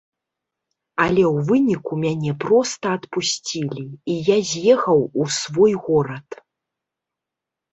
Але ў выніку мяне проста адпусцілі, і я з'ехаў у свой горад.